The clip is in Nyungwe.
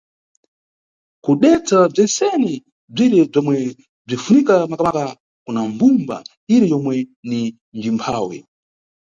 Kudetsa bzentsene bzire bzomwe bzinʼfunika makamaka kuna mbumba ire yomwe ni njimphawi.